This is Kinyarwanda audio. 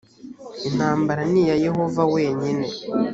intambara ni iya yehova wenyine